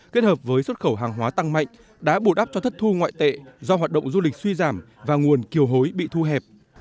kết hợp với xuất khẩu hàng hóa tăng mạnh đã bù đắp cho thất thu ngoại tệ do hoạt động du lịch suy giảm và nguồn kiều hối bị thu hẹp